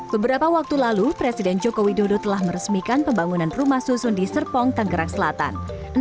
beberapa waktu lalu presiden joko widodo telah meresmikan pembangunan rumah susun di serpong tanggerang selatan